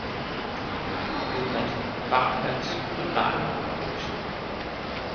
Gik med bulet hat, bar hals og lange, løse hår.